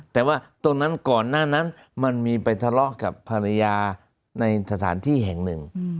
แต่ว่าตรงนั้นก่อนหน้านั้นมันมีไปทะเลาะกับภรรยาในสถานที่แห่งหนึ่ง